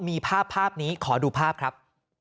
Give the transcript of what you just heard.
มีภาพภาพนี้ขอดูภาพครับ